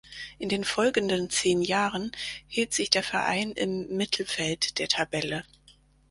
In den folgenden zehn Jahren hielt sich der Verein im Mittelfeld der Tabelle.